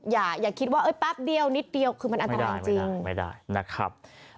อย่าคิดว่าเอ้ยแป๊บเดียวนิดเดียวคือมันอันตรายจริงไม่ได้นะครับ